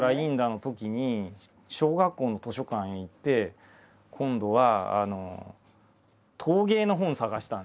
のときに小学校の図書館へ行って今度は陶芸の本を探したんですよ。